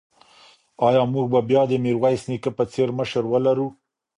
ایا موږ به بیا د میرویس نیکه په څېر مشر ولرو؟